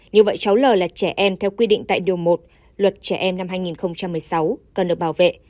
như vậy cháu l là trẻ em theo quy định tại điều một luật trẻ em năm hai nghìn một mươi sáu cần được bảo vệ